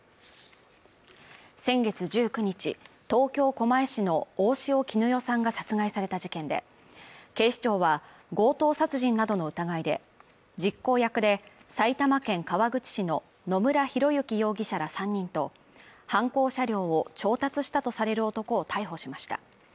先月１９日、東京・狛江市の大塩衣与さんが殺害された事件で、警視庁は強盗殺人などの疑いで、実行役で、埼玉県川口市の野村広之容疑者ら３人と、犯行車両を調達したとされる男を逮捕しました。